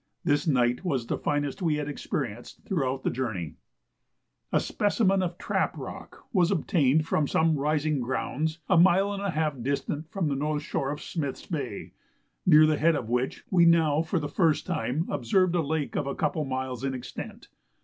This night was the finest we had experienced throughout the journey. A specimen of trap rock was obtained from some rising grounds a mile and a half distant from the north shore of Smith's Bay, near the head of which we now for the first time observed a lake of a couple miles in extent.